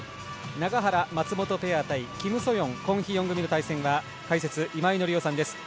永原、松本ペア対キム・ソヨンコン・ヒヨン組の対戦は解説、今井紀夫さんです。